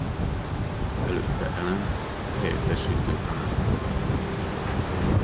Előtte Alan helyettesítő tanár volt.